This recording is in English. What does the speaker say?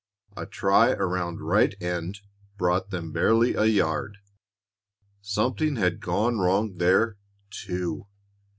A try around right end brought them barely a yard. Something had gone wrong there, too.